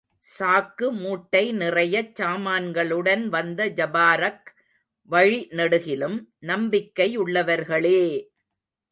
சாக்கு மூட்டை நிறையச் சாமான்களுடன் வந்த ஜபாரக் வழி நெடுகிலும், நம்பிக்கையுள்ளவர்களே!